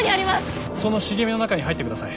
その茂みの中に入ってください。